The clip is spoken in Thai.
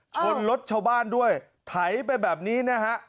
ชนรถชาวบ้านด้วยไถไปแบบนี้นะฮะ